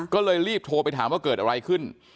ก็เลยรีบโทรไปถามว่าเกิดอะไรขึ้น